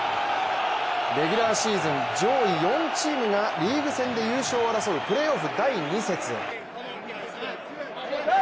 レギュラーシーズン上位４チームがリーグ戦で優勝を争うプレーオフ第２節。